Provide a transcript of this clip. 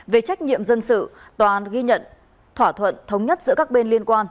về trách nhiệm dân sự tòa ghi nhận thỏa thuận thống nhất giữa các bên liên quan